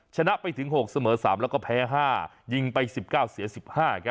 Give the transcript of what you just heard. ชนะไปถึง๖เสมอ๓แล้วก็แพ้๕ยิงไป๑๙เสีย๑๕